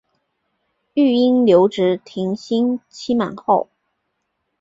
育婴留职停薪期满后